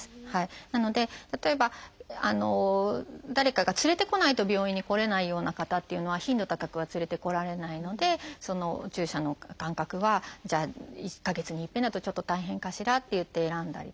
なので例えば誰かが連れてこないと病院に来れないような方っていうのは頻度高くは連れてこられないのでお注射の間隔はじゃあ１か月に一遍だとちょっと大変かしらっていって選んだりとか。